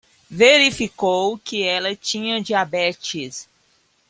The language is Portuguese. Verificou que ela tinha diabetes